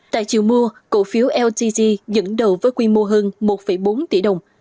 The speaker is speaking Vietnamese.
tại chiều mua cổ phiếu ltg dẫn đầu với quy mô hơn một bốn tỷ đồng